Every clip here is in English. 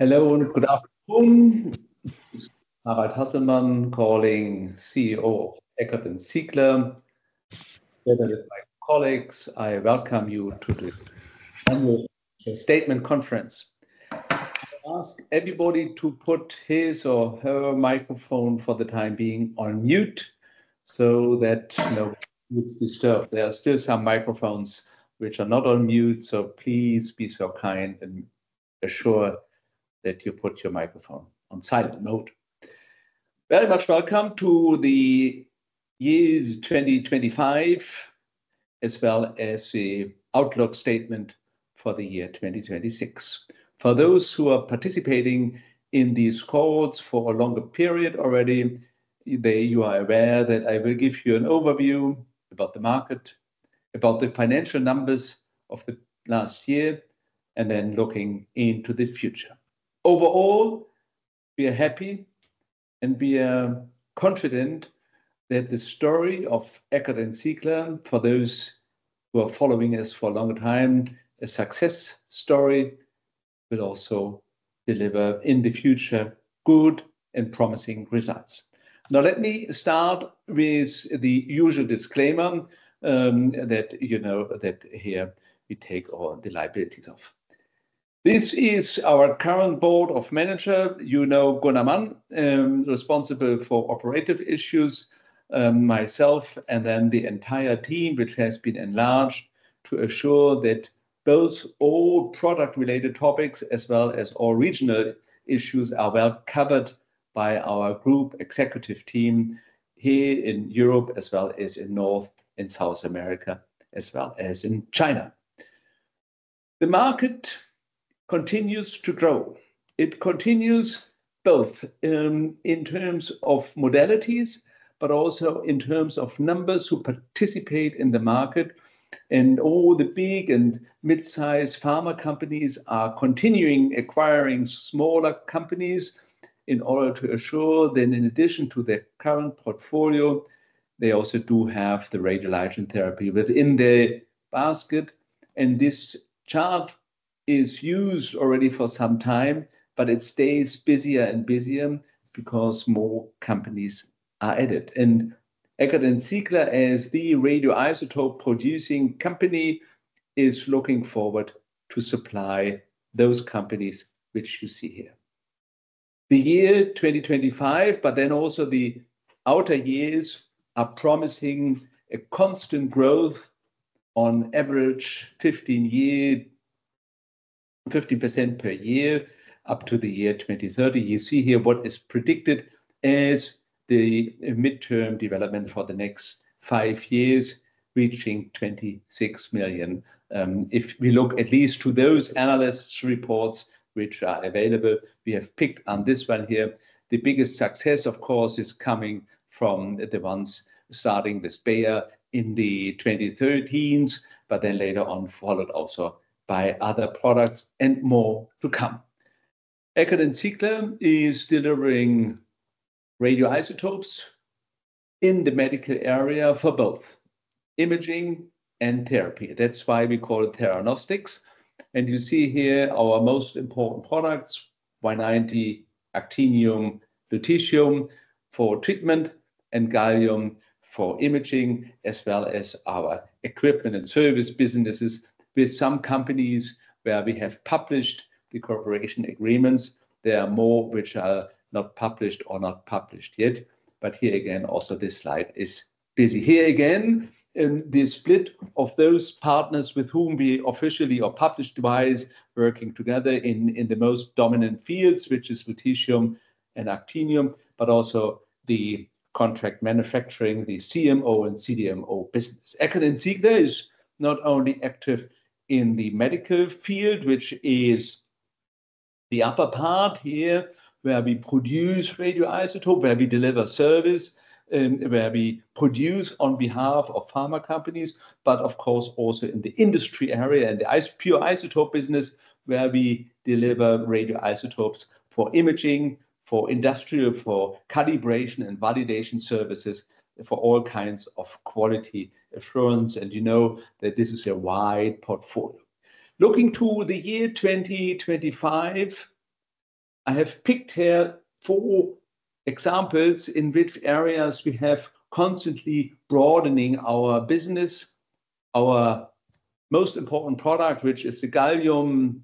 Hello and good afternoon. This is Harald Hasselmann calling, CEO of Eckert & Ziegler. Together with my colleagues, I welcome you to the annual statement conference. I ask everybody to put his or her microphone for the time being on mute so that, you know, it's disturbed. There are still some microphones which are not on mute, so please be so kind and assure that you put your microphone on silent mode. Very much welcome to the years 2025, as well as the outlook statement for the year 2026. For those who are participating in these calls for a longer period already, you are aware that I will give you an overview about the market, about the financial numbers of the last year, and then looking into the future. Overall, we are happy and we are confident that the story of Eckert & Ziegler, for those who are following us for a long time, a success story will also deliver in the future good and promising results. Now let me start with the usual disclaimer, that you know, that here we take all the liabilities off. This is our current board of management. You know Gunnar Mann, responsible for operative issues, myself, and then the entire team, which has been enlarged to assure that those all product related topics as well as all regional issues are well covered by our group executive team here in Europe, as well as in North and South America, as well as in China. The market continues to grow. It continues both in terms of modalities, but also in terms of numbers who participate in the market. All the big and mid-size pharma companies are continuing acquiring smaller companies in order to assure that in addition to their current portfolio, they also do have the radioligand therapy within the basket. This chart is used already for some time, but it stays busier and busier because more companies are added. Eckert & Ziegler as the radioisotope producing company is looking forward to supply those companies which you see here. The year 2025, but then also the outer years are promising a constant growth on average 15% per year up to the year 2030. You see here what is predicted as the midterm development for the next five years, reaching 26 million. If we look at least to those analysts reports which are available, we have picked on this one here. The biggest success, of course, is coming from the ones starting this year in the 2010s, but then later on followed also by other products and more to come. Eckert & Ziegler is delivering radioisotopes in the medical area for both imaging and therapy. That's why we call it theranostics. You see here our most important products, Y-90, Actinium, lutetium for treatment and Gallium for imaging, as well as our equipment and service businesses with some companies where we have published the cooperation agreements. There are more which are not published or not published yet. Here again, also this slide is busy. Here again, the split of those partners with whom we officially or published wise working together in the most dominant fields, which is lutetium and Actinium, but also the contract manufacturing, the CMO and CDMO business. Eckert & Ziegler is not only active in the medical field, which is the upper part here, where we produce radioisotope, where we deliver service, where we produce on behalf of pharma companies. Of course also in the industry area and the pure isotope business where we deliver radioisotopes for imaging, for industrial, for calibration and validation services for all kinds of quality assurance. You know that this is a wide portfolio. Looking to the year 2025, I have picked here four examples in which areas we have constantly broadening our business. Our most important product, which is the gallium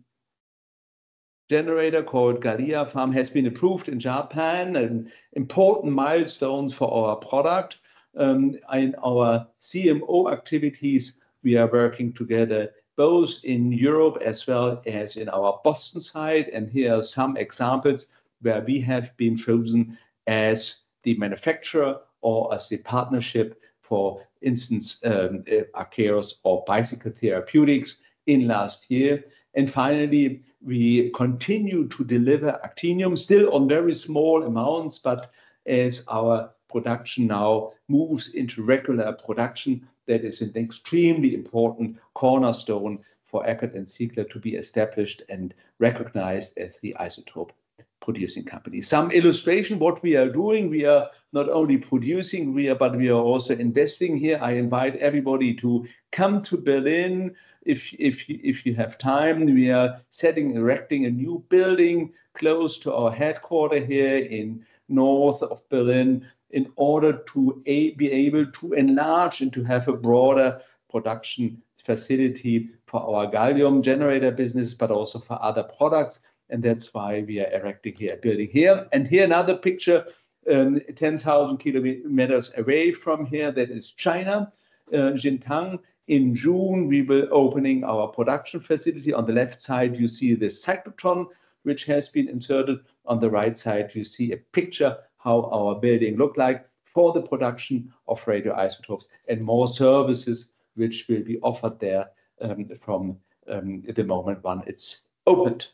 generator called GalliaPharm, has been approved in Japan, an important milestone for our product. In our CMO activities, we are working together both in Europe as well as in our Boston site. Here are some examples where we have been chosen as the manufacturer or as the partnership, for instance, Artios or Bicycle Therapeutics in last year. Finally, we continue to deliver actinium still on very small amounts, but as our production now moves into regular production, that is an extremely important cornerstone for Eckert & Ziegler to be established and recognized as the isotope-producing company. Some illustration what we are doing, we are not only producing, but we are also investing here. I invite everybody to come to Berlin if you have time. We are erecting a new building close to our headquarters here in north of Berlin in order to be able to enlarge and to have a broader production facility for our gallium generator business, but also for other products. That's why we are erecting a building here. Here another picture, 10,000 kilometers away from here, that is China, Jintan. In June, we were opening our production facility. On the left side, you see this cyclotron which has been inserted. On the right side, you see a picture how our building look like for the production of radioisotopes and more services which will be offered there at the moment when it's opened.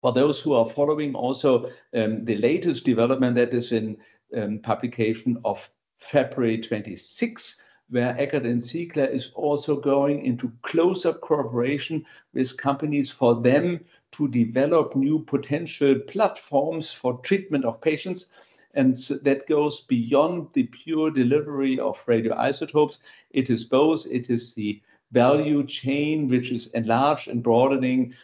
For those who are following also the latest development that is in publication of February twenty-sixth, where Eckert & Ziegler is also going into closer cooperation with companies for them to develop new potential platforms for treatment of patients. That goes beyond the pure delivery of radioisotopes. It is both, it is the value chain which is enlarged and broadening,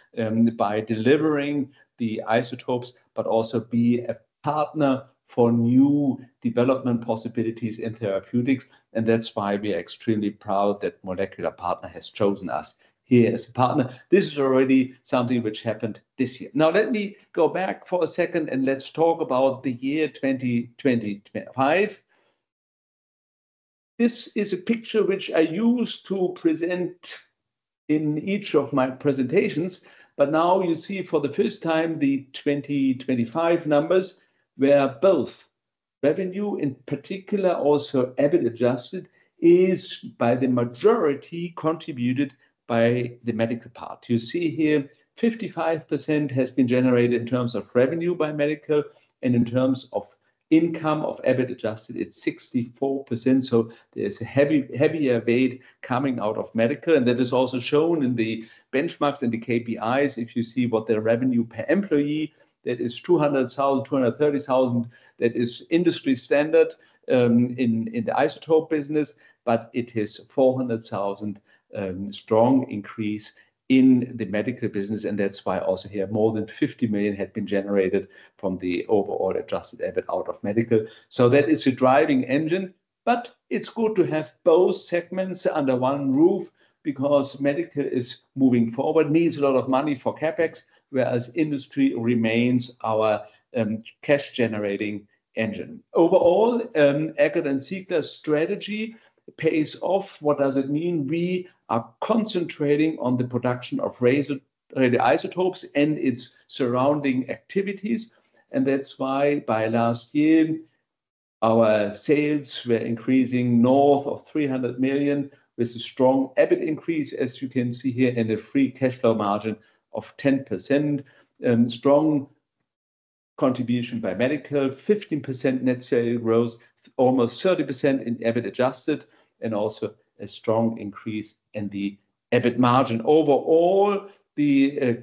by delivering the isotopes, but also be a partner for new development possibilities in therapeutics. That's why we are extremely proud that Molecular Partners has chosen us here as a partner. This is already something which happened this year. Now let me go back for a second, and let's talk about the year 2025. This is a picture which I use to present in each of my presentations, but now you see for the first time the 2025 numbers, where both revenue, in particular also EBIT adjusted, is by the majority contributed by the medical part. You see here 55% has been generated in terms of revenue by medical, and in terms of income of EBIT adjusted, it's 64%. There's a heavy, heavier weight coming out of medical, and that is also shown in the benchmarks and the KPIs. If you see what their revenue per employee, that is 200,000, 230,000, that is industry standard in the isotope business. It is 400,000, strong increase in the medical business, and that's why also here more than 50 million had been generated from the overall adjusted EBIT out of medical. That is a driving engine. It's good to have both segments under one roof because medical is moving forward, needs a lot of money for CapEx, whereas industry remains our cash generating engine. Overall, Eckert & Ziegler's strategy pays off. What does it mean? We are concentrating on the production of radioisotopes and its surrounding activities. That's why by last year, our sales were increasing north of 300 million with a strong EBIT increase, as you can see here, and a free cash flow margin of 10%. Strong contribution by medical, 15% net sales growth, almost 30% in EBIT adjusted, and also a strong increase in the EBIT margin. Overall, the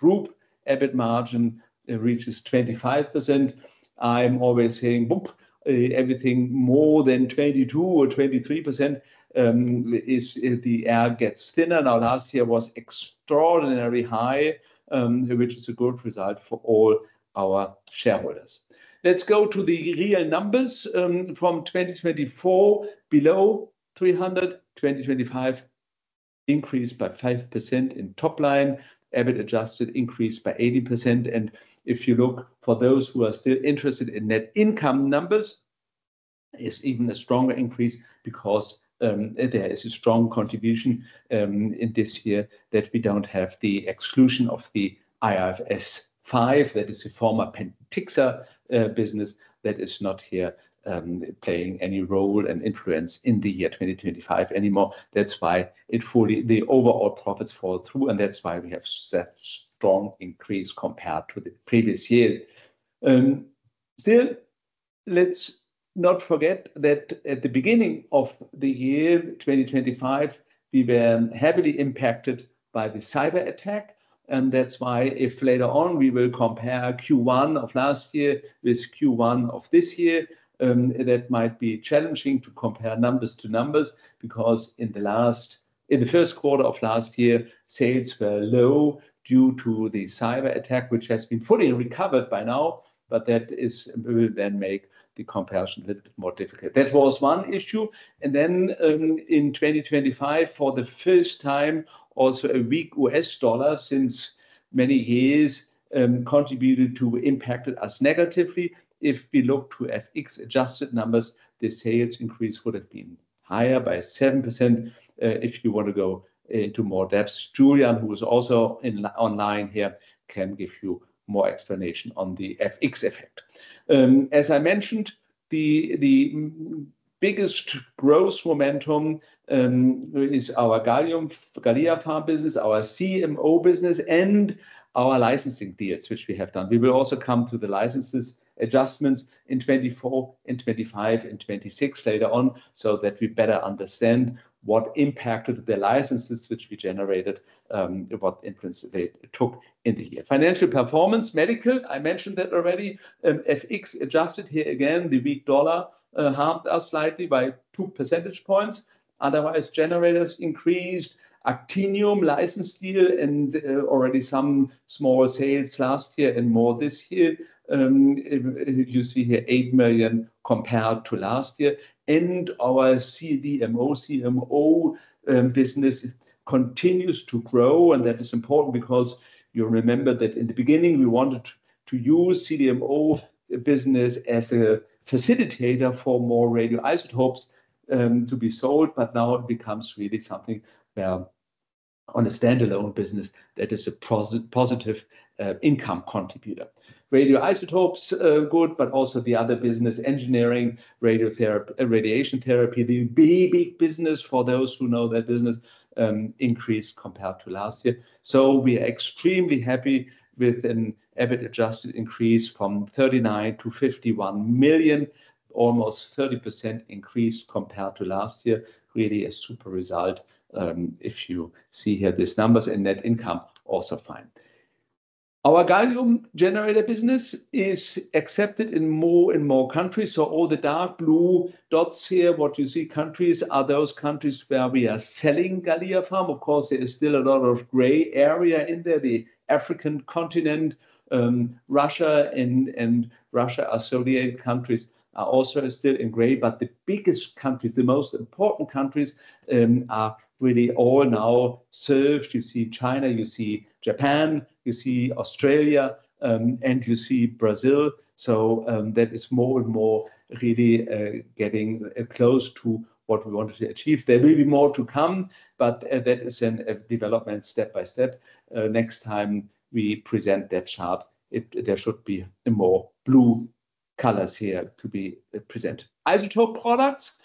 group's EBIT margin reaches 25%. I'm always saying, "Whoop, everything more than 22% or 23%, is the air gets thinner." Now, last year was extraordinarily high, which is a good result for all our shareholders. Let's go to the real numbers, from 2024 below 300 million. 2025 increased by 5% in top line, EBIT adjusted increased by 80%. If you look for those who are still interested in net income numbers, it's even a stronger increase because there is a strong contribution in this year that we don't have the exclusion of the IFRS 5. That is the former Pentixapharm business that is not here playing any role and influence in the year 2025 anymore. That's why the overall profits fall through, and that's why we have such strong increase compared to the previous year. Still, let's not forget that at the beginning of the year, 2025, we were heavily impacted by the cyberattack, and that's why if later on we will compare Q1 of last year with Q1 of this year, that might be challenging to compare numbers to numbers because in the first quarter of last year, sales were low due to the cyberattack, which has been fully recovered by now. That will then make the comparison a little bit more difficult. That was one issue. In 2025, for the first time, also a weak US dollar since many years contributed to impacted us negatively. If we look to FX adjusted numbers, the sales increase would have been higher by 7%. If you want to go into more depths, Julian, who is also online here, can give you more explanation on the FX effect. As I mentioned, the biggest growth momentum is our gallium GalliaPharm business, our CMO business, and our licensing deals which we have done. We will also come to the licenses adjustments in 2024 and 2025 and 2026 later on, so that we better understand what impact did the licenses which we generated, what influence they took in the year. Financial performance, medical. I mentioned that already. FX adjusted here again, the weak dollar harmed us slightly by 2 percentage points. Otherwise, generators increased, actinium license deal and already some small sales last year and more this year. You see here 8 million compared to last year. Our CDMO, CMO, business continues to grow, and that is important because you remember that in the beginning, we wanted to use CDMO business as a facilitator for more radioisotopes to be sold. But now it becomes really something on a standalone business that is a positive income contributor. Radioisotopes good, but also the other business engineering, radiation therapy, the big business for those who know that business, increased compared to last year. We are extremely happy with an EBIT adjusted increase from 39 million to 51 million, almost 30% increase compared to last year. Really a super result, if you see here these numbers and net income also fine. Our gallium generator business is accepted in more and more countries, so all the dark blue dots here, what you see countries are those countries where we are selling GalliaPharm. Of course, there is still a lot of gray area in there. The African continent, Russia and Russia or Soviet countries are also still in gray. The biggest countries, the most important countries, are really all now served. You see China, you see Japan, you see Australia, and you see Brazil. That is more and more really getting close to what we wanted to achieve. There will be more to come, but that is in development step by step. Next time we present that chart there should be more blue colors here to be presented. Isotope products,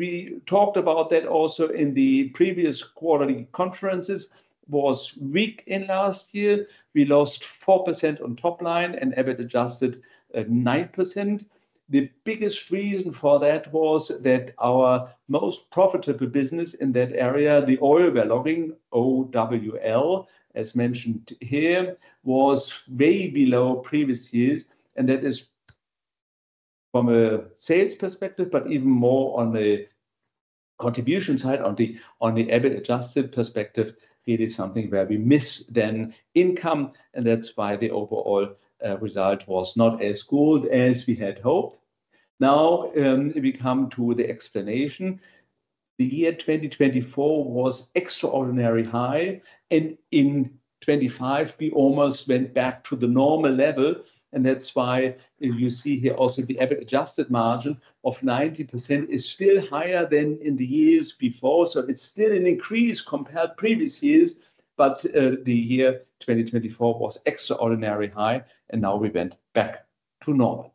we talked about that also in the previous quarterly conferences, was weak in last year. We lost 4% on top line and EBIT adjusted 9%. The biggest reason for that was that our most profitable business in that area, the oil well logging, OWL, as mentioned here, was way below previous years, and that is from a sales perspective, but even more on the contribution side, on the EBIT adjusted perspective, it is something where we missed the income, and that's why the overall result was not as good as we had hoped. Now, we come to the explanation. The year 2024 was extraordinary high, and in 2025 we almost went back to the normal level, and that's why you see here also the EBIT adjusted margin of 90% is still higher than in the years before. It's still an increase compared previous years, but the year 2024 was extraordinary high and now we went back to normal.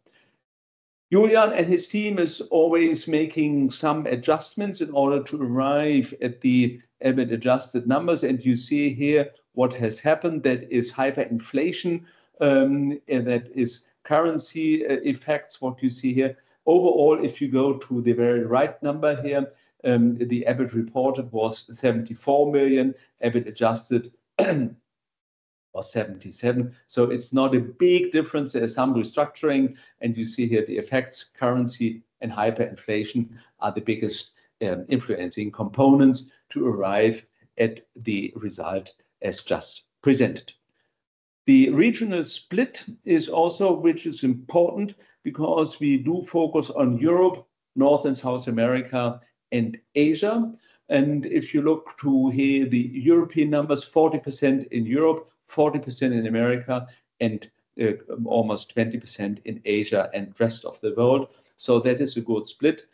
Julian and his team is always making some adjustments in order to arrive at the EBIT adjusted numbers. You see here what has happened, that is hyperinflation, that is currency effects, what you see here. Overall, if you go to the very right number here, the EBIT reported was 74 million, EBIT adjusted was 77 million. It's not a big difference. There's some restructuring, and you see here the effects, currency and hyperinflation are the biggest, influencing components to arrive at the result as just presented. The regional split, which is important because we do focus on Europe, North and South America, and Asia. If you look to here, the European numbers, 40% in Europe, 40% in America, and almost 20% in Asia and rest of the world. That is a good split.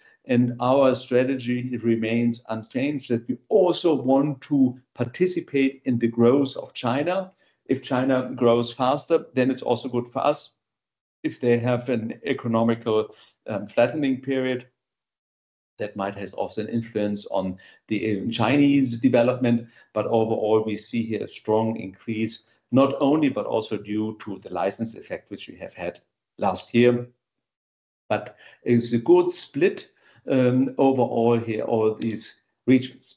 Our strategy remains unchanged, that we also want to participate in the growth of China. If China grows faster, then it's also good for us. If they have an economic flattening period, that might have also an influence on the Chinese development. Overall, we see here a strong increase, not only, but also due to the license effect which we have had last year. It's a good split, overall here, all these regions.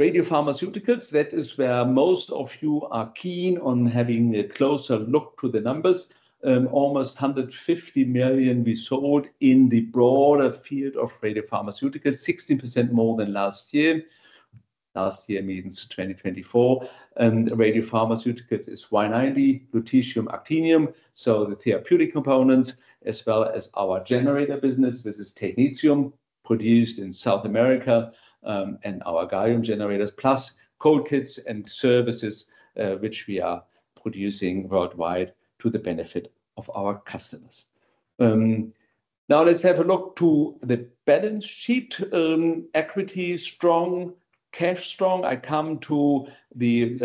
Radiopharmaceuticals, that is where most of you are keen on having a closer look to the numbers. Almost 150 million we sold in the broader field of radiopharmaceuticals, 16% more than last year. Last year means 2024. Radiopharmaceuticals is Y-90, lutetium actinium, so the therapeutic components as well as our generator business. This is technetium produced in South America, and our gallium generators, plus cold kits and services, which we are producing worldwide to the benefit of our customers. Now let's have a look to the balance sheet. Equity strong, cash strong. I come to the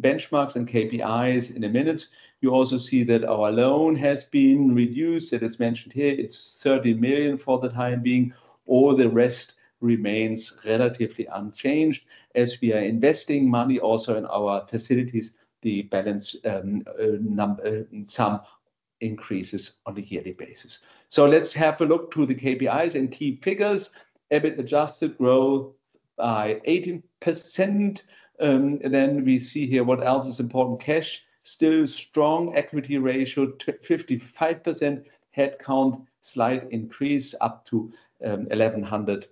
benchmarks and KPIs in a minute. You also see that our loan has been reduced. It is mentioned here it's 30 million for the time being. All the rest remains relatively unchanged as we are investing money also in our facilities, the balance sum increases on a yearly basis. Let's have a look to the KPIs and key figures. EBIT adjusted growth by 18%. Then we see here what else is important. Cash, still strong equity ratio, 55%. Headcount, slight increase up to 1,100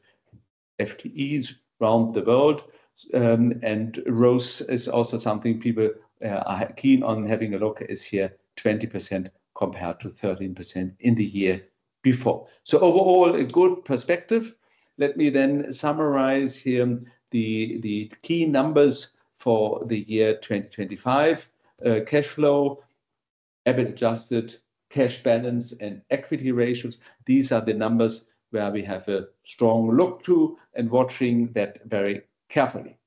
FTEs around the world. ROCE is also something people are keen on having a look at is here, 20% compared to 13% in the year before. Overall a good perspective. Let me summarize here the key numbers for the year 2025. Cash flow, EBIT adjusted, cash balance and equity ratios. These are the numbers where we have a strong look to and watching that very carefully.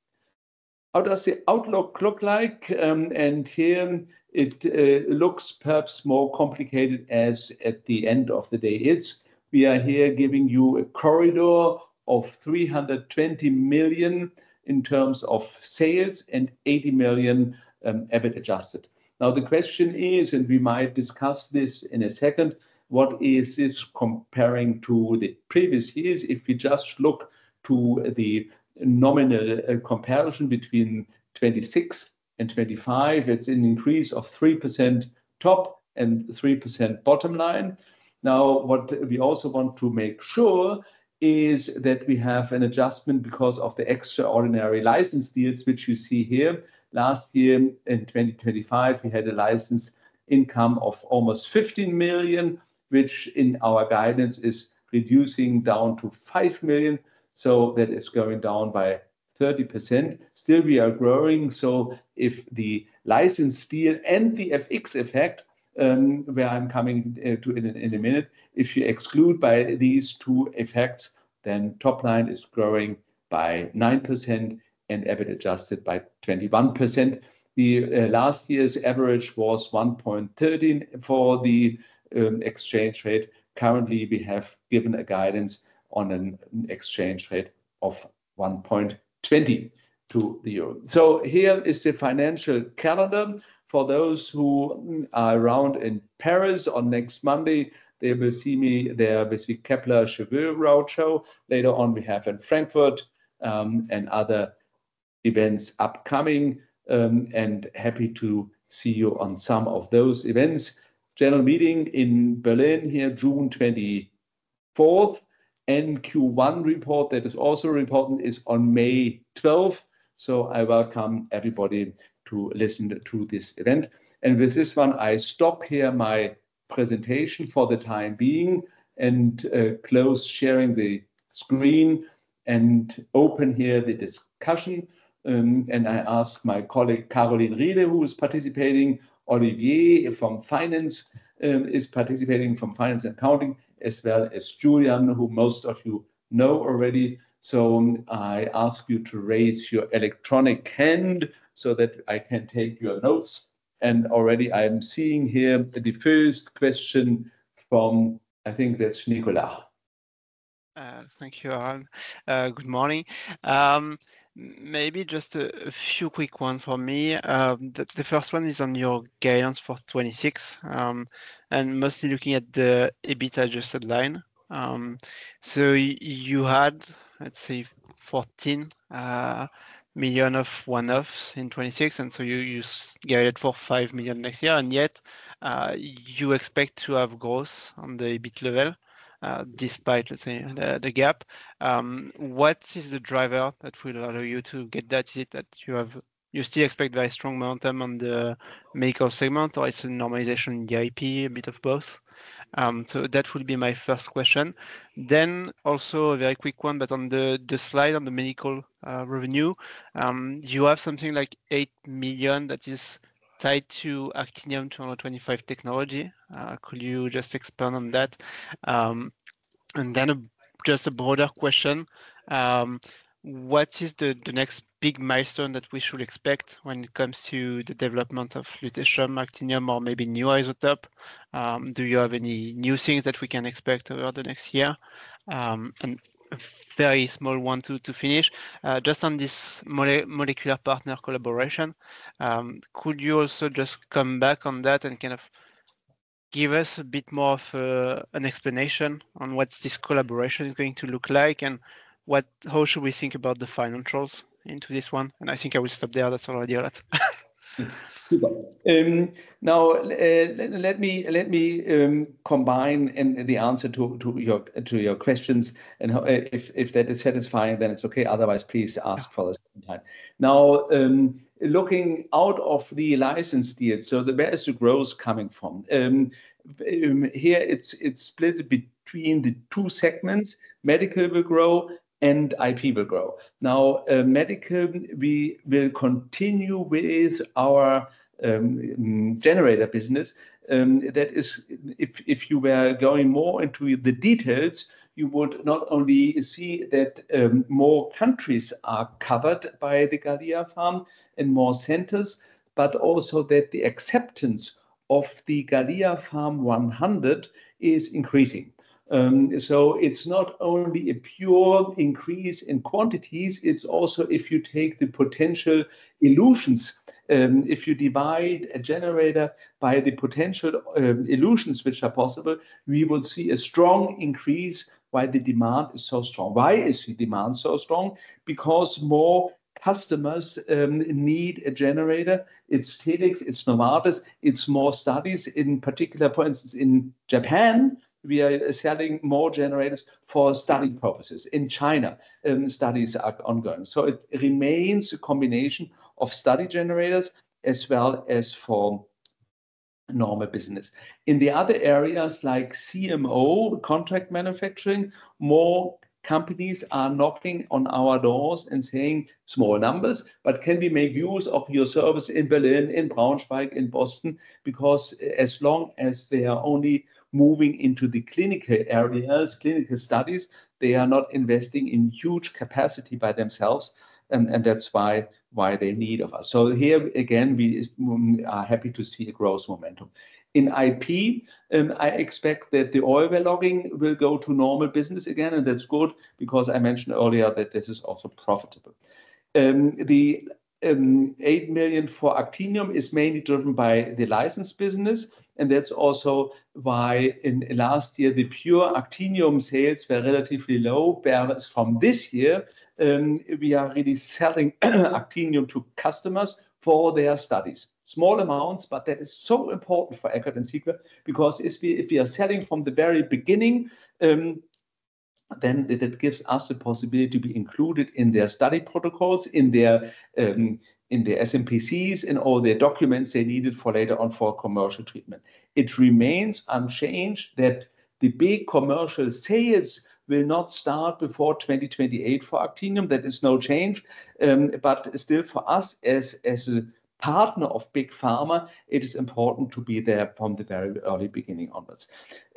How does the outlook look like? Here it looks perhaps more complicated as at the end of the day it is. We are here giving you a corridor of 320 million in terms of sales and 80 million EBIT adjusted. Now the question is, and we might discuss this in a second, what is this comparing to the previous years? If you just look to the nominal comparison between 2026 and 2025, it's an increase of 3% top and 3% bottom line. Now, what we also want to make sure is that we have an adjustment because of the extraordinary license deals which you see here. Last year in 2025, we had a license income of almost 15 million, which in our guidance is reducing down to 5 million. That is going down by 30%. Still we are growing. If the license deal and the FX effect, where I'm coming to in a minute, if you exclude these two effects, then top line is growing by 9% and EBIT adjusted by 21%. The last year's average was 1.13 for the exchange rate. Currently, we have given a guidance on an exchange rate of 1.20 to the euro. Here is the financial calendar. For those who are around in Paris on next Monday, they will see me there with the Kepler Cheuvreux road show. Later on, we have in Frankfurt, and other events upcoming, and happy to see you on some of those events. General meeting in Berlin here, June 24, and Q1 report that is also important is on May 12. I welcome everybody to listen to this event. With this one, I stop here my presentation for the time being and close sharing the screen and open here the discussion. I ask my colleague, Karolin Riehle, who is participating. Olivier from finance is participating from finance accounting, as well as Julian, who most of you know already. I ask you to raise your electronic hand so that I can take your notes. Already I am seeing here the first question from, I think that's Nicolas. Thank you all. Good morning. Maybe just a few quick one for me. The first one is on your guidance for 2026, and mostly looking at the EBIT adjusted line. So you had, let's say, 14 million of one-offs in 2026, and so you guide it for 5 million next year, and yet you expect to have growth on the EBIT level, despite, let's say, the gap. What is the driver that will allow you to get that hit that you have? You still expect very strong momentum on the medical segment, or it's a normalization in the IP, a bit of both? So that would be my first question. Also a very quick one, but on the slide on the medical revenue, you have something like 8 million that is tied to Actinium-225 technology. Could you just expand on that? And then just a broader question, what is the next big milestone that we should expect when it comes to the development of lutetium, Actinium or maybe new isotope? Do you have any new things that we can expect over the next year? And a very small one to finish. Just on this Molecular Partners collaboration, could you also just come back on that and kind of give us a bit more of an explanation on what this collaboration is going to look like and how should we think about the financials into this one? I think I will stop there. That's already a lot. Let me combine the answer to your questions, if that is satisfying, then it's okay. Otherwise, please ask for this sometime. Now, looking at the license deal, so where is the growth coming from? Here it's split between the two segments. Medical will grow and IP will grow. Now, medical, we will continue with our generator business, that is if you were going more into the details, you would not only see that more countries are covered by the GalliaPharm in more centers, but also that the acceptance of the GalliaPharm 100 is increasing. So it's not only a pure increase in quantities, it's also if you take the potential illusions. If you divide a generator by the potential elutions which are possible, we will see a strong increase. Why is the demand so strong? Because more customers need a generator. It's Telix, it's Novartis, it's more studies. In particular, for instance, in Japan, we are selling more generators for study purposes. In China, studies are ongoing. It remains a combination of study generators as well as for normal business. In the other areas like CMO, contract manufacturing, more companies are knocking on our doors and saying small numbers, but can we make use of your service in Berlin, in Braunschweig, in Boston? Because as long as they are only moving into the clinical areas, clinical studies, they are not investing in huge capacity by themselves, and that's why they need us. We are happy to see a growth momentum. In IP, I expect that the oil logging will go to normal business again, and that's good because I mentioned earlier that this is also profitable. The 8 million for actinium is mainly driven by the license business, and that's also why last year the pure actinium sales were relatively low whereas from this year we are really selling actinium to customers for their studies. Small amounts, but that is so important for Eckert & Ziegler, because if we are selling from the very beginning, then that gives us the possibility to be included in their study protocols, in their SmPCs, in all their documents they needed for later on for commercial treatment. It remains unchanged that the big commercial sales will not start before 2028 for actinium. That is no change. But still for us as a partner of big pharma, it is important to be there from the very early beginning onwards.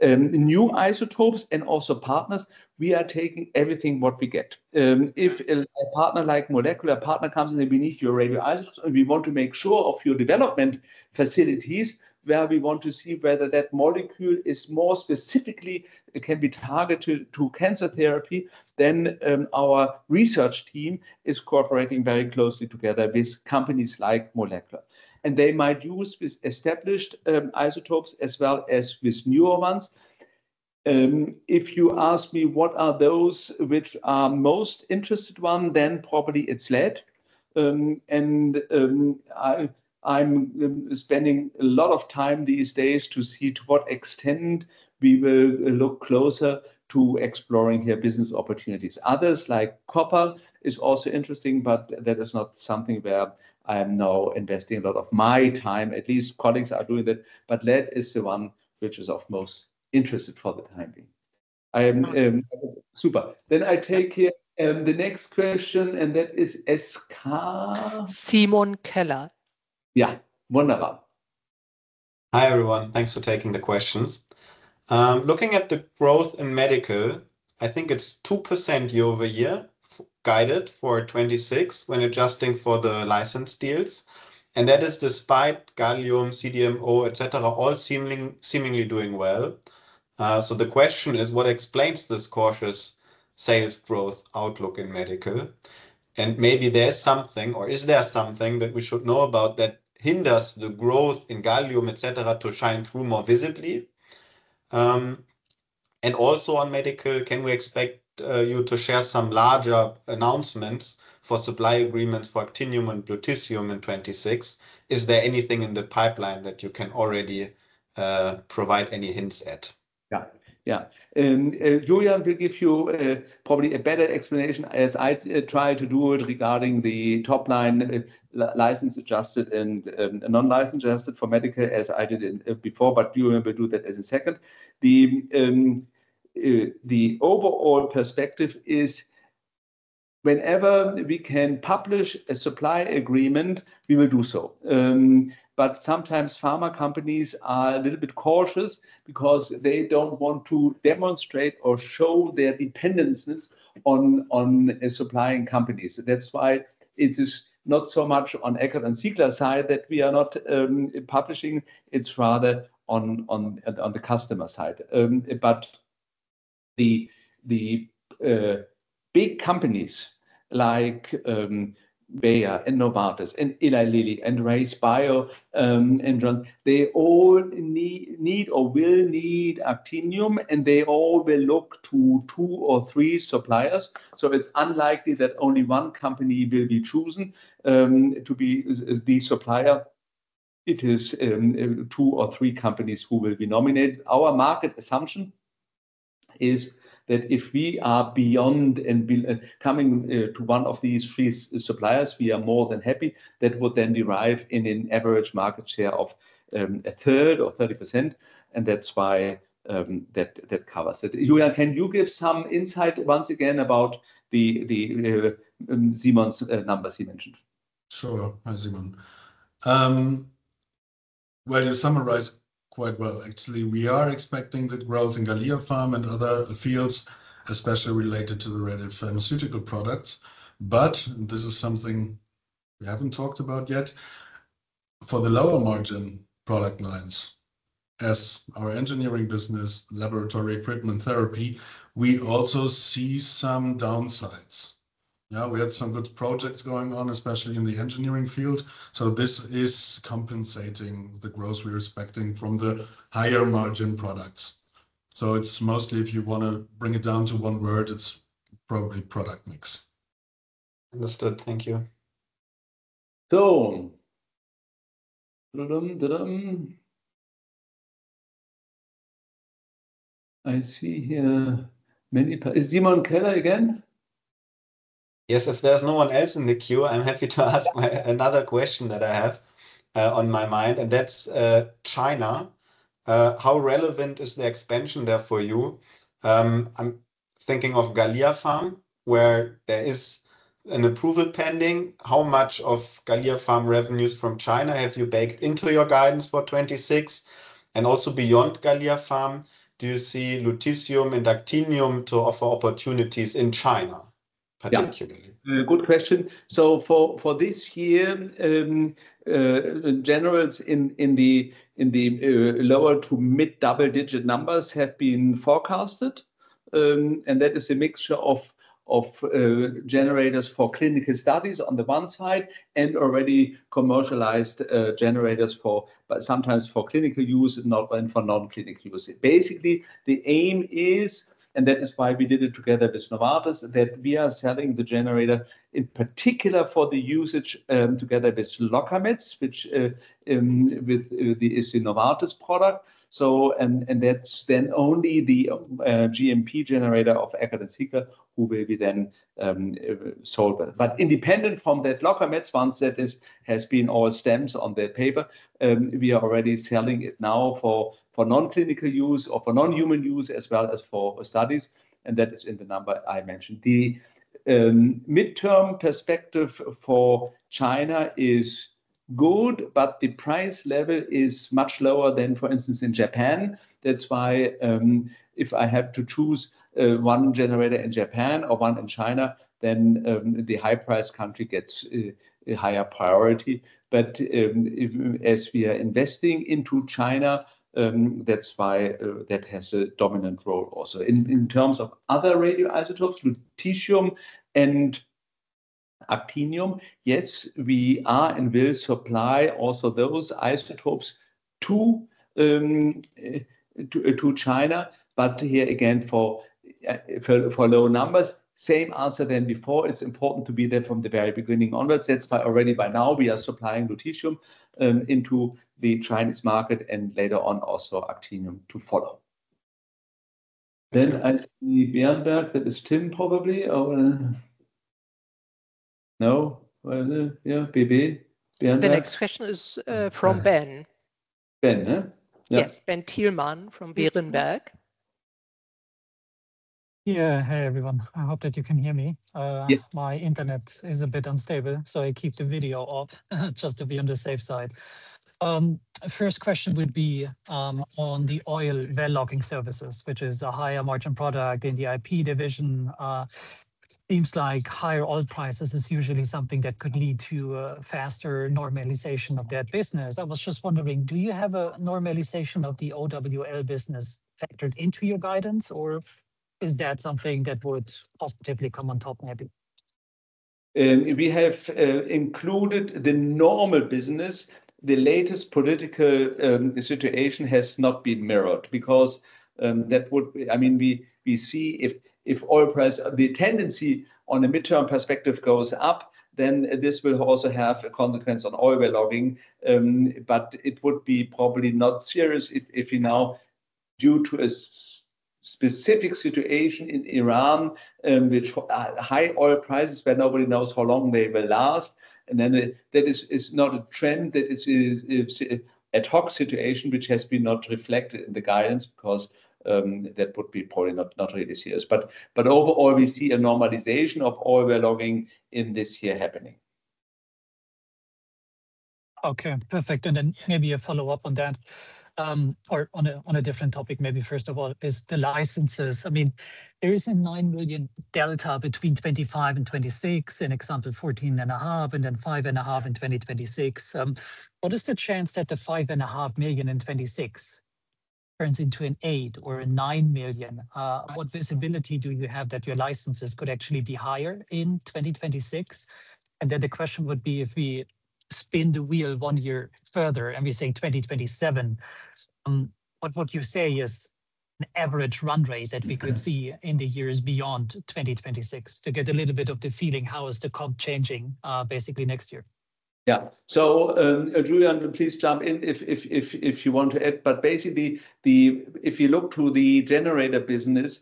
New isotopes and also partners, we are taking everything what we get. If a partner like Molecular Partners comes in and we need your radioisotopes, and we want to make sure of your development facilities, where we want to see whether that molecule is more specifically can be targeted to cancer therapy, then our research team is cooperating very closely together with companies like Molecular Partners. They might use with established isotopes as well as with newer ones. If you ask me what are those which are most interested one, then probably it's Lead. I'm spending a lot of time these days to see to what extent we will look closer to exploring our business opportunities. Others like Copper is also interesting, but that is not something where I am now investing a lot of my time. At least colleagues are doing that. Lead is the one which is of most interest for the time being. Super. I take the next question, and that is S. Car- Simon Keller. Yeah. Wonderful. Hi, everyone. Thanks for taking the questions. Looking at the growth in Medical, I think it's 2% year-over-year guided for 2026 when adjusting for the license deals, and that is despite gallium, CDMO, et cetera, all seemingly doing well. The question is, what explains this cautious sales growth outlook in Medical? Maybe there's something or is there something that we should know about that hinders the growth in gallium, et cetera, to shine through more visibly? Also on Medical, can we expect you to share some larger announcements for supply agreements for actinium and lutetium in 2026? Is there anything in the pipeline that you can already provide any hints at? Julian will give you probably a better explanation as I try to do it regarding the top line license adjusted and non-license adjusted for medical as I did it before, but Julian will do that as a second. The overall perspective is whenever we can publish a supply agreement, we will do so. Sometimes pharma companies are a little bit cautious because they don't want to demonstrate or show their dependencies on supplying companies. That's why it is not so much on Eckert & Ziegler's side that we are not publishing. It's rather on the customer side. The big companies like Bayer and Novartis and Eli Lilly and RayzeBio and Roche, they all need or will need actinium, and they all will look to two or three suppliers. It's unlikely that only one company will be chosen to be the supplier. It is two or three companies who will be nominated. Our market assumption is that if we are becoming one of these three suppliers, we are more than happy. That would then result in an average market share of 1/3 or 30%, and that's why that covers it. Julian, can you give some insight once again about Simon's numbers he mentioned? Sure, Simon. You summarized quite well, actually. We are expecting the growth in GalliaPharm and other fields, especially related to the ready pharmaceutical products. This is something we haven't talked about yet. For the lower margin product lines, as our engineering business, laboratory equipment therapy, we also see some downsides. We had some good projects going on, especially in the engineering field. This is compensating the growth we're expecting from the higher margin products. It's mostly, if you wanna bring it down to one word, it's probably product mix. Understood. Thank you. I see here. Is Simon Keller again? Yes, if there's no one else in the queue, I'm happy to ask another question that I have on my mind, and that's China. How relevant is the expansion there for you? I'm thinking of GalliaPharm, where there is an approval pending. How much of GalliaPharm revenues from China have you baked into your guidance for 2026? And also beyond GalliaPharm, do you see lutetium and actinium to offer opportunities in China particularly? Yeah. Good question. For this year, in general, in the lower- to mid-double-digit numbers have been forecasted. That is a mixture of generators for clinical studies on the one side and already commercialized generators, but sometimes for clinical use and not for non-clinical use. Basically, the aim is, and that is why we did it together with Novartis, that we are selling the generator in particular for the usage together with Locametz, which is a Novartis product. That's then only the GMP generator of Eckert & Ziegler who will be then sold with. Independent from that, Locametz one set is, has been or stems from their SmPC, we are already selling it now for non-clinical use or for non-human use as well as for studies, and that is in the number I mentioned. The midterm perspective for China is good, but the price level is much lower than, for instance, in Japan. That's why, if I have to choose, one generator in Japan or one in China, then the high price country gets a higher priority. If, as we are investing into China, that's why that has a dominant role also. In terms of other radioisotopes, lutetium and actinium, yes, we are and will supply also those isotopes to China. Here again, for low numbers, same answer than before, it's important to be there from the very beginning onwards. That's why already by now we are supplying lutetium into the Chinese market and later on also actinium to follow. I see Berenberg, that is Tim probably or No? Yeah, BB, Berenberg. The next question is from Ben. Ben, huh? Yeah. Yes. Benjamin Thielmann from Berenberg. Yeah. Hey everyone. I hope that you can hear me. Yes. My internet is a bit unstable, so I keep the video off just to be on the safe side. First question would be on the oil well logging services, which is a higher margin product in the IP division. Seems like higher oil prices is usually something that could lead to a faster normalization of that business. I was just wondering, do you have a normalization of the OWL business factored into your guidance or is that something that would positively come on top maybe? We have included the normal business. The latest political situation has not been mirrored because I mean, we see if oil price, the tendency on the midterm perspective goes up, then this will also have a consequence on oil well logging. But it would be probably not serious if we now due to a specific situation in Iran, which high oil prices, but nobody knows how long they will last. That is not a trend. That is a ad hoc situation which has not been reflected in the guidance because that would be probably not really serious. But overall, we see a normalization of oil well logging in this year happening. Okay. Perfect. Maybe a follow-up on that, or on a different topic, maybe first of all, the licenses. I mean, there is a 9 million delta between 2025 and 2026, for example, 14.5 million and then 5.5 million in 2026. What is the chance that the 5.5 million in 2026 turns into an 8 million or a 9 million? What visibility do you have that your licenses could actually be higher in 2026? The question would be if we spin the wheel one year further and we say 2027, what would you say is an average run rate that we could see in the years beyond 2026 to get a little bit of the feeling how is the comp changing, basically next year? Julian, please jump in if you want to add, but basically if you look to the generator business,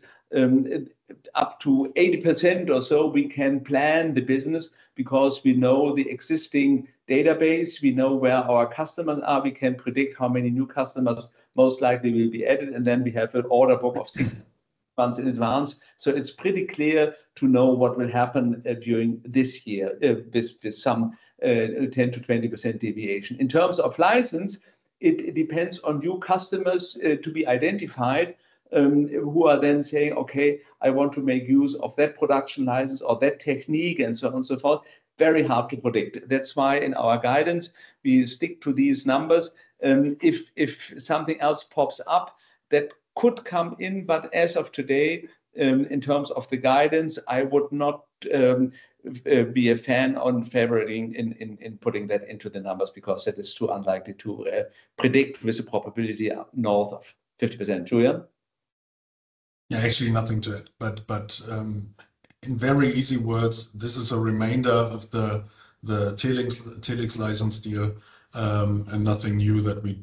up to 80% or so, we can plan the business because we know the existing database, we know where our customers are. We can predict how many new customers most likely will be added, and then we have an order book of six months in advance. It's pretty clear to know what will happen during this year with some 10%-20% deviation. In terms of license, it depends on new customers to be identified who are then saying, "Okay, I want to make use of that production license or that technique," and so on and so forth. Very hard to predict. That's why in our guidance, we stick to these numbers. If something else pops up, that could come in. As of today, in terms of the guidance, I would not be a fan on favoring in putting that into the numbers because that is too unlikely to predict with the probability up north of 50%. Julian? Yeah, actually nothing to add. In very easy words, this is a reminder of the Telix license deal, and nothing new that we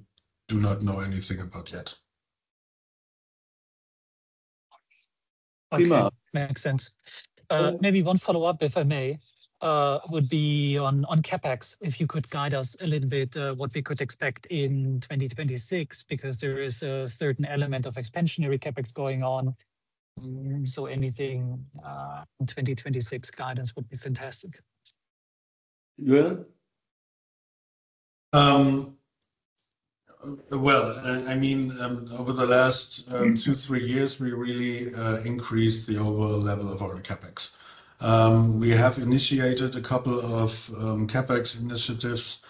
do not know anything about yet. Okay. Makes sense. Maybe one follow-up, if I may, would be on CapEx, if you could guide us a little bit, what we could expect in 2026, because there is a certain element of expansionary CapEx going on. Anything in 2026 guidance would be fantastic. Julian? Well, I mean, over the last two, three years we really increased the overall level of our CapEx. We have initiated a couple of CapEx initiatives.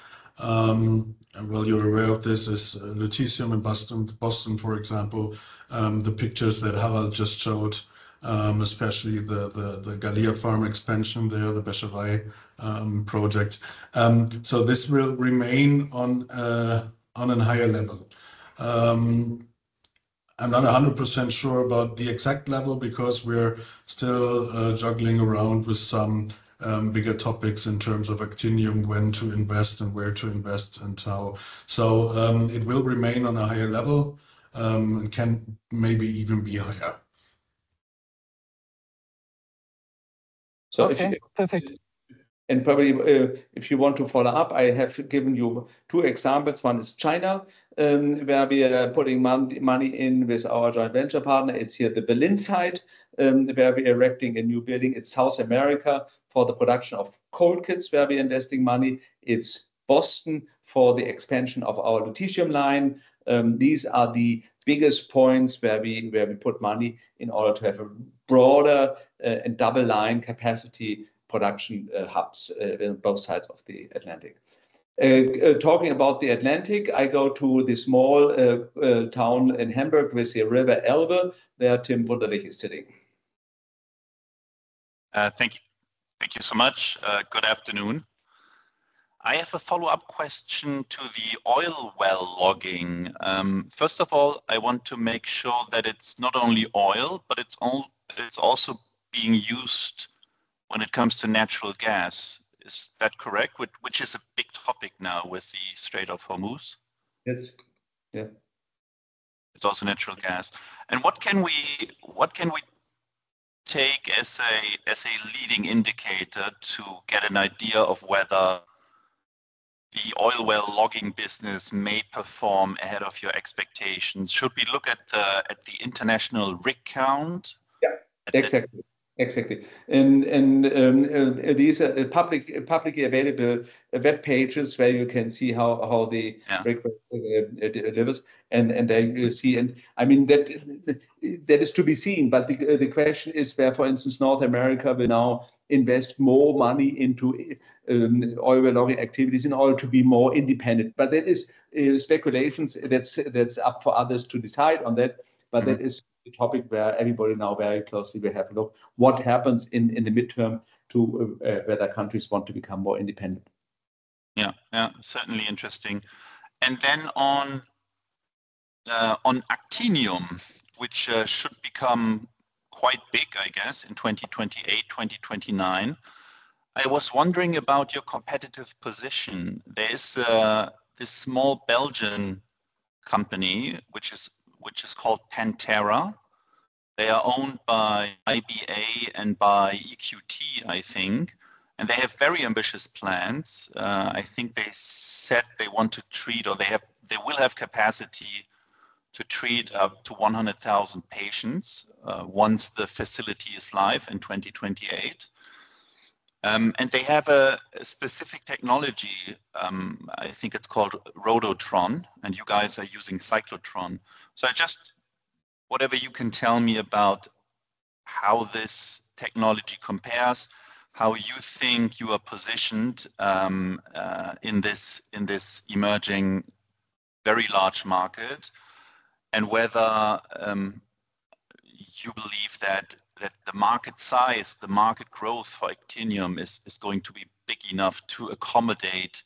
You're aware of lutetium in Boston for example, the pictures that Harald just showed, especially the GalliaPharm expansion there, the Be'er Sheva project. This will remain on a higher level. I'm not 100% sure about the exact level because we're still juggling around with some bigger topics in terms of actinium, when to invest and where to invest and how. It will remain on a higher level and can maybe even be higher. So if you- Okay, perfect. Probably, if you want to follow up, I have given you two examples. One is China, where we are putting money in with our joint venture partner. It's here at the Berlin site, where we're erecting a new building. It's South America for the production of cold kits, where we are investing money. It's Boston for the expansion of our lutetium line. These are the biggest points where we put money in order to have a broader and double line capacity production hubs in both sides of the Atlantic. Talking about the Atlantic, I go to the small town in Hamburg with the River Elbe, where Tim Wunderlich is sitting. Thank you so much. Good afternoon. I have a follow-up question to the oil well logging. First of all, I want to make sure that it's not only oil, but it's also being used when it comes to natural gas. Is that correct? Which is a big topic now with the Strait of Hormuz. Yes. Yeah. It's also natural gas. What can we take as a leading indicator to get an idea of whether the oil well logging business may perform ahead of your expectations? Should we look at the international rig count? Yeah, exactly. These are publicly available web pages where you can see how the- Yeah Rig delivers and there you see. I mean, that is to be seen, but the question is where, for instance, North America will now invest more money into oil well logging activities in order to be more independent. That is speculation that's up for others to decide on that. Mm-hmm. That is the topic where everybody now very closely will have a look what happens in the midterm to whether countries want to become more independent. Yeah. Certainly interesting. On actinium, which should become quite big, I guess, in 2028, 2029, I was wondering about your competitive position. There's this small Belgian company, which is called PanTera. They are owned by IBA and by EQT, I think, and they have very ambitious plans. I think they said they want to treat or they will have capacity to treat up to 100,000 patients once the facility is live in 2028. They have a specific technology, I think it's called Rhodotron, and you guys are using cyclotron. Just whatever you can tell me about how this technology compares, how you think you are positioned, in this emerging very large market, and whether you believe that the market size, the market growth for actinium is going to be big enough to accommodate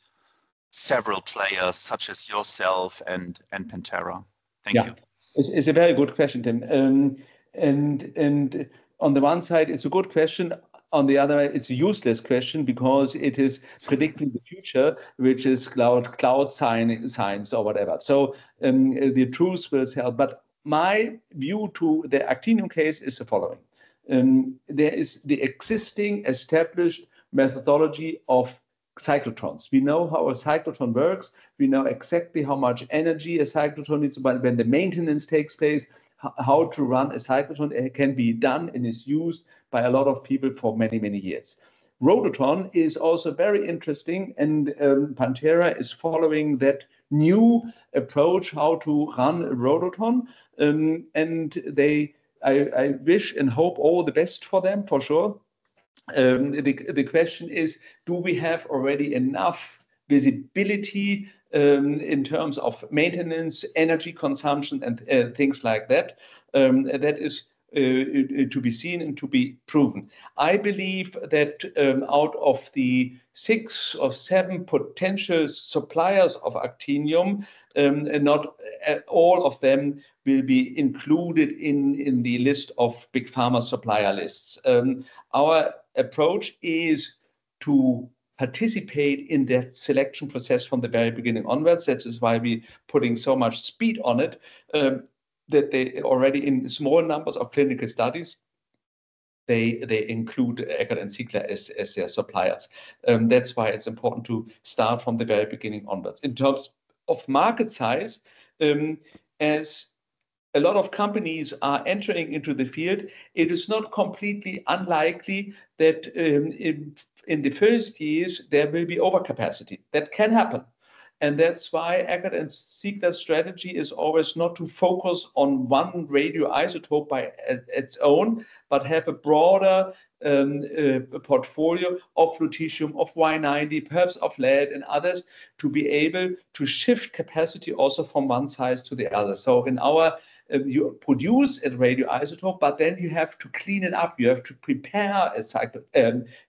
several players such as yourself and PanTera. Thank you. Yeah. It's a very good question, Tim. On the one side, it's a good question, on the other, it's a useless question because it is predicting the future, which is cloud sign-science or whatever. The truth will tell, but my view to the Actinium case is the following. There is the existing established methodology of cyclotrons. We know how a cyclotron works. We know exactly how much energy a cyclotron needs, when the maintenance takes place, how to run a cyclotron. It can be done and is used by a lot of people for many years. Rhodotron is also very interesting. PanTera is following that new approach, how to run a Rhodotron. I wish and hope all the best for them, for sure. The question is: Do we have already enough visibility in terms of maintenance, energy consumption, and things like that? That is to be seen and to be proven. I believe that out of the 6 or 7 potential suppliers of actinium, not all of them will be included in the list of big pharma supplier lists. Our approach is to participate in that selection process from the very beginning onwards. That is why we putting so much speed on it, that they already in small numbers of clinical studies, they include Eckert & Ziegler as their suppliers. That's why it's important to start from the very beginning onwards. In terms of market size, as a lot of companies are entering into the field, it is not completely unlikely that, in the first years there may be overcapacity. That can happen, and that's why Eckert & Ziegler's strategy is always not to focus on one radioisotope by its own, but have a broader portfolio of lutetium, of Y-90, perhaps of lead and others, to be able to shift capacity also from one isotope to the other. You produce a radioisotope, but then you have to clean it up, you have to prepare a cycle, a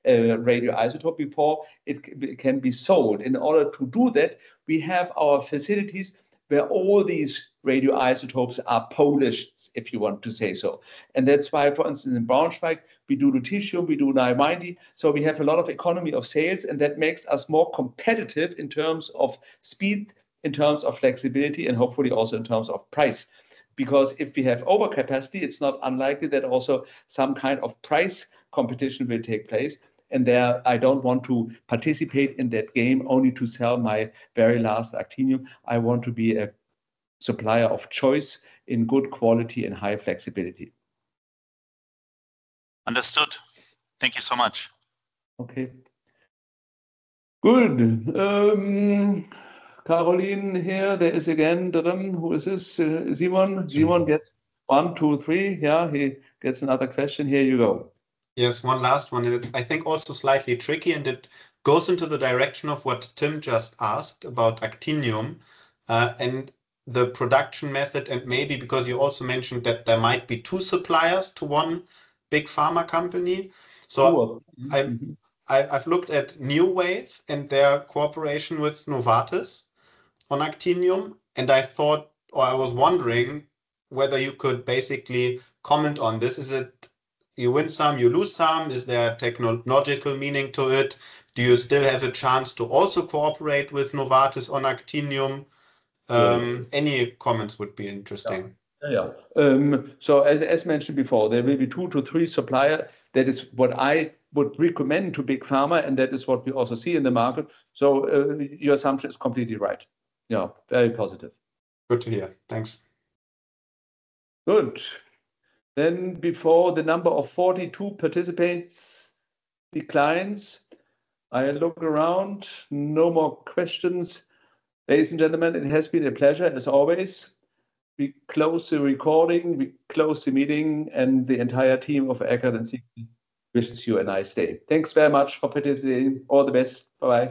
radioisotope before it can be sold. In order to do that, we have our facilities where all these radioisotopes are polished, if you want to say so. That's why, for instance, in Braunschweig, we do lutetium, we do Y-90. We have a lot of economies of scale, and that makes us more competitive in terms of speed, in terms of flexibility, and hopefully also in terms of price. Because if we have overcapacity, it's not unlikely that also some kind of price competition will take place. There I don't want to participate in that game only to sell my very last Actinium. I want to be a supplier of choice in good quality and high flexibility. Understood. Thank you so much. Okay. Good. Karoline here, there is again, who is this? Simon. Simon gets 1, 2, 3. Yeah, he gets another question. Here you go. Yes, one last one, and I think also slightly tricky, and it goes into the direction of what Tim just asked about actinium, and the production method, and maybe because you also mentioned that there might be two suppliers to one big pharma company. Sure. Mm-hmm. I've looked at Nuwave and their cooperation with Novartis on actinium, and I thought or I was wondering whether you could basically comment on this. Is it you win some, you lose some? Is there a technological meaning to it? Do you still have a chance to also cooperate with Novartis on actinium? Sure. Any comments would be interesting. Yeah. As mentioned before, there may be 2-3 suppliers. That is what I would recommend to big pharma, and that is what we also see in the market. Your assumption is completely right. Yeah, very positive. Good to hear. Thanks. Good. Before the number of 42 participants declines, I look around. No more questions. Ladies and gentlemen, it has been a pleasure as always. We close the recording, we close the meeting, and the entire team of Eckert & Ziegler wishes you a nice day. Thanks very much for participating. All the best. Bye-bye.